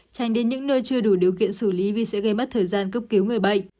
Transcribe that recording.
tránh đến những nơi chưa đủ điều kiện xử lý vì sẽ gây mất thời gian cấp cứu người bệnh